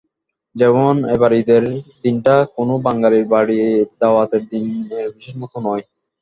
যেমন এবারের ঈদের দিনটা কোনো বাঙালির বাড়ির দাওয়াতের দিনের বিশেষ মতোও নয়।